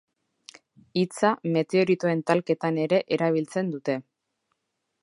Hitza meteoritoen talketan ere erabiltzen dute.